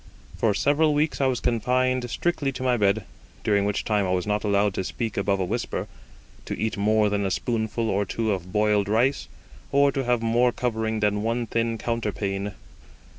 For several weeks I was confined strictly to my bed, during which time I was not allowed to speak above a whisper, to eat more than a spoonful or two of boiled rice, or to have more covering than one thin counterpane.